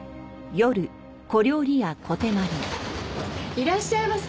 いらっしゃいませ。